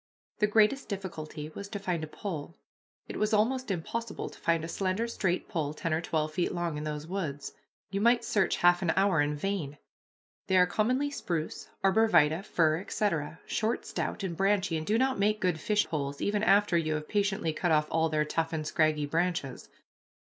The greatest difficulty was to find a pole. It was almost impossible to find a slender, straight pole ten or twelve feet long in those woods. You might search half an hour in vain. They are commonly spruce, arbor vitæ, fir, etc., short, stout, and branchy, and do not make good fishpoles, even after you have patiently cut off all their tough and scraggy branches.